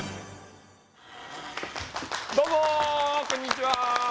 どうもこんにちは。